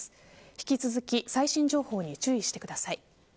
引き続き最新情報に注意してください。